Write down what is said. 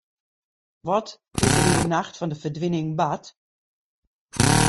Wat is der yn 'e nacht fan de ferdwining bard?